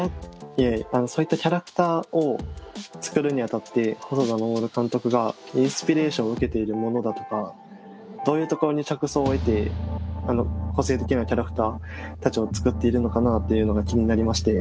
そういったキャラクターを作るにあたって細田守監督がインスピレーションを受けているものだとかどういうところに着想を得てあの個性的なキャラクターたちを作っているのかなっていうのが気になりまして。